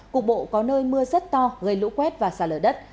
cục bộ có nơi mưa rất to gây lũ quét và xả lở đất